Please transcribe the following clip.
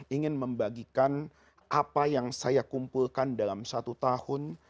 ingin membagikan apa yang saya kumpulkan dalam satu tahun